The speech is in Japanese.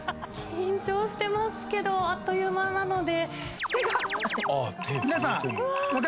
緊張してますけどあっという間なので。